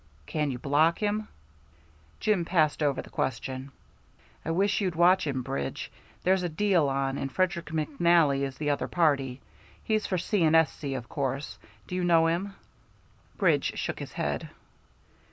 "Can you block him?" Jim passed over the question. "I wish you'd watch him, Bridge. There's a deal on, and Frederick McNally is the other party. He's for C. & S.C. of course. Do you know him?" Bridge shook his head.